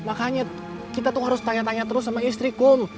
makanya kita tuh harus tanya tanya terus sama istriku